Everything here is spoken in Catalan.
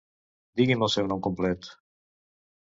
Digui'm el seu nom complet.